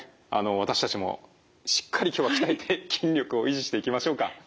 私たちもしっかり今日は鍛えて筋力を維持していきましょうか。